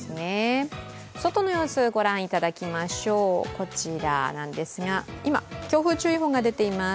外の様子、ご覧いただきましょうこちら、今、強風注意報が出ています。